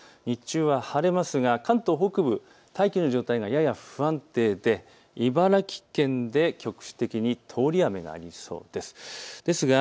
日中は晴れますが関東北部大気の状態がやや不安定で茨城県で局地的に通り雨がありそうです。